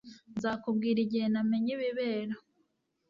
Nzakubwira igihe namenye ibibera